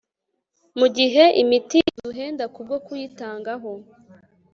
mu gihe imiti iduhenda kubwo kuyitangaho